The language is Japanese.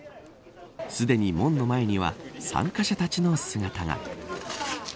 すでに門の前には参加者たちの姿が。